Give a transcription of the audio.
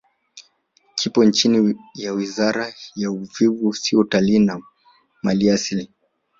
Kipo chini ya Wizara ya Uvuvi Sio Utalii na Maliasili